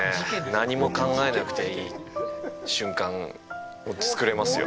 何も考えなくていい瞬間を作れますよ